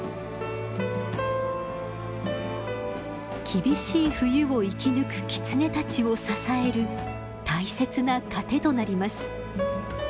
厳しい冬を生き抜くキツネたちを支える大切な糧となります。